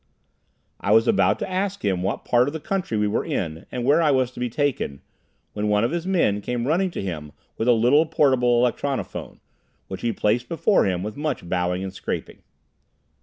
I was about to ask him what part of the country we were in and where I was to be taken, when one of his men came running to him with a little portable electronophone, which he placed before him, with much bowing and scraping.